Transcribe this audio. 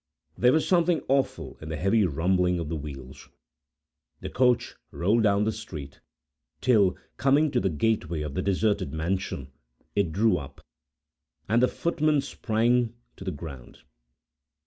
There was something awful, in the heavy rumbling of the wheels. The coach rolled down the street, till, coming to the gateway of the deserted mansion, it drew up, and the footman sprang to the ground.